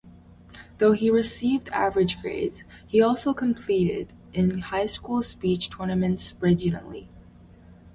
Though he received average grades, he also competed in high-school speech tournaments regionally.